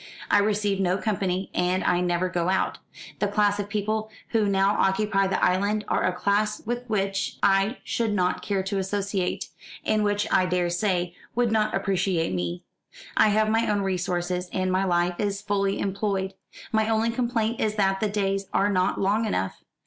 I receive no company, and I never go out. The class of people who now occupy the island are a class with which I should not care to associate, and which, I daresay, would not appreciate me. I have my own resources, and my life is fully employed. My only complaint is that the days are not long enough.